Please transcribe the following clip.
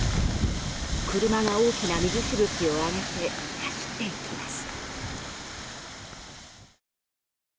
車が大きな水しぶきを上げて走っていきます。